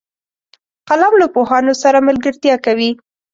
قلم له پوهانو سره ملګرتیا کوي